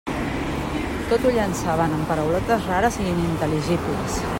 Tot ho llançaven amb paraulotes rares i inintel·ligibles.